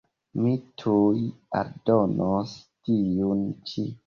Mi tuj aldonos tiun ĉi.